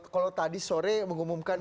kalau tadi sore mengumumkan